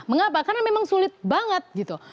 mengapa karena memang sulit banget gitu